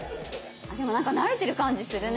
でも何か慣れてる感じするね。